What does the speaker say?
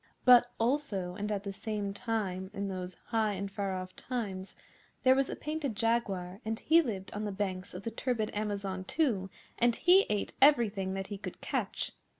But also, and at the same time, in those High and Far Off Times, there was a Painted Jaguar, and he lived on the banks of the turbid Amazon too; and he ate everything that he could catch.